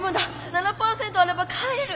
７％あれば帰れる。